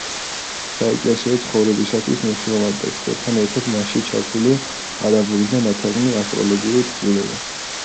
საეკლესიო ცხოვრებისათვის მნიშვნელოვან ტექსტებთან ერთად მასში ჩართულია არაბულიდან ნათარგმნი ასტროლოგიური თხზულება.